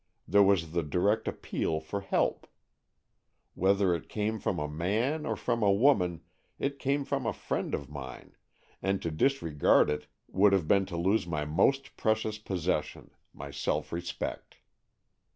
There was the direct appeal for help. Whether it came from a man or from a woman, it came from a friend of mine, and to disregard it would have been to lose my most precious possession, my self respect.